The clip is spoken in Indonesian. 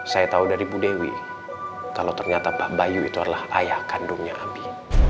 saya tahu dari bu dewi kalau ternyata pak bayu itu adalah ayah kandungnya abi